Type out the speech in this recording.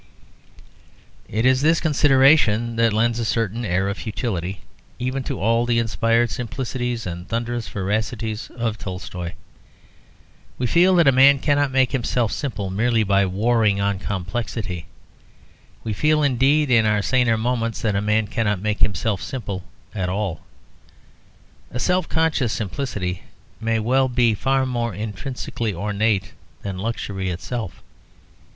It is this consideration that lends a certain air of futility even to all the inspired simplicities and thunderous veracities of Tolstoy. We feel that a man cannot make himself simple merely by warring on complexity; we feel, indeed, in our saner moments, that a man cannot make himself simple at all. A self conscious simplicity may well be far more intrinsically ornate than luxury itself.